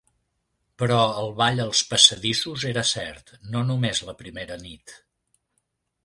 Però el ball als passadissos era cert, no només la primera nit.